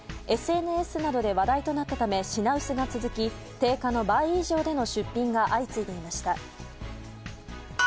ＳＮＳなどで話題となったため品薄が続き定価の倍以上での出品が相次いでいました。